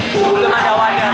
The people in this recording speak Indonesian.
belum ada wadah